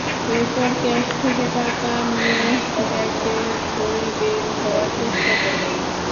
এরপর ক্যাশ থেকে টাকা নিয়ে ব্যাগে ভরে বের হওয়ার চেষ্টা করে।